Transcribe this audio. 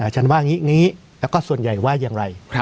ฉันว่างี้แล้วก็ส่วนใหญ่ว่ายังไง